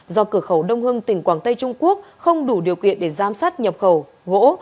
do cửa khẩu đông hưng tỉnh quảng tây trung quốc không đủ điều kiện để giám sát nhập khẩu gỗ